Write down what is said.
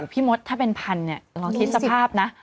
พี่มดถ้าเป็นพันเนี่ยลองคิดสภาพนะ